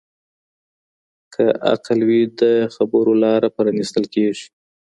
که عقل وي د خبرو لاره پرانیستل کیږي.